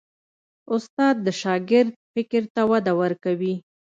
استاد د شاګرد فکر ته وده ورکوي.